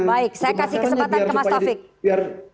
baik saya kasih kesempatan ke mas taufik